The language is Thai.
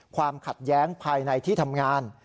ความขัดแย้งภายในที่ทำงาน